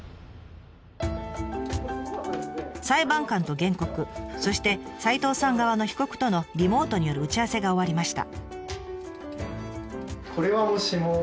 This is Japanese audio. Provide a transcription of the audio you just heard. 裁判官と原告そして齋藤さん側の被告とのリモートによる打ち合わせが終わりました。